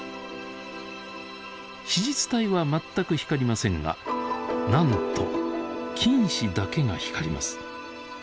子実体は全く光りませんがなんと菌糸だけが光ります。